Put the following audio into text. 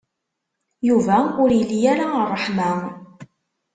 Yuba ur ili ara ṛṛeḥma.